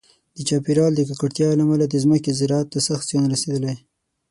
د چاپیریال د ککړتیا له امله د ځمکې زراعت ته سخت زیان رسېدلی.